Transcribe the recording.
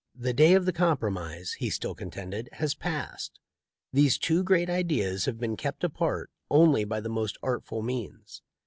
"The day of compro mise," he still contended, "has passed. These two great ideas have been kept apart only by the most artful means.